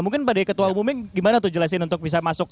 mungkin badai ketua umumnya gimana tuh jelasin untuk bisa masuk